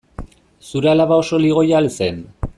Zure alaba oso ligoia al zen?